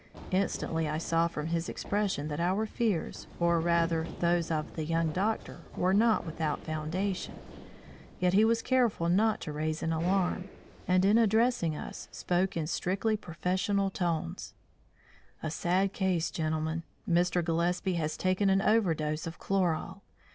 Instantly I saw from his expression that our fears or rather, those of the young doctor, were not without foundation. Yet he was careful not to raise an alarm, and in addressing us, spoke in strictly professional tones: "A sad case, gentlemen! Mr. Gillespie has taken an overdose of chloral.